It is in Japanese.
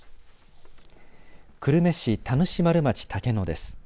久留米市田主丸町竹野です。